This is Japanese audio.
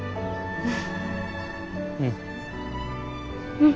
うん。